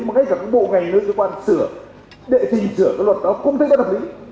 mà hết cả các bộ ngành các cơ quan sửa đệ tình sửa các luật đó cũng thấy bất hợp lý